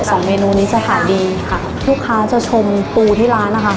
สองเมนูนี้จะขายดีค่ะลูกค้าจะชมปูที่ร้านนะคะ